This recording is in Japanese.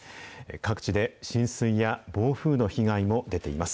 各地で浸水や暴風の被害も出ています。